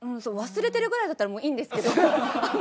忘れてるぐらいだったらもういいんですけど。